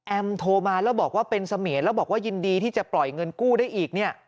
โทรมาแล้วบอกว่าเป็นเสมียนแล้วบอกว่ายินดีที่จะปล่อยเงินกู้ได้อีกเนี่ย